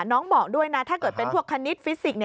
น้องบอกด้วยนะถ้าเกิดเป็นพวกคณิตฟิสิกส์